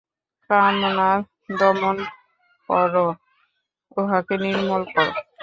কামনা দমন কর, উহাকে নির্মূল কর।